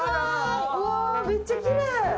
うわめっちゃきれい！